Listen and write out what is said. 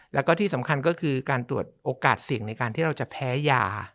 แล้วก็ที่สำคัญก็คือการตรวจโอกาสเสี่ยงในการที่เราจะแพ้ยา